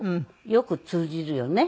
よく通じるよね。